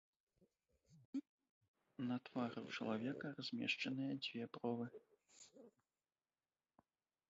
На твары ў чалавека размешчаныя дзве бровы.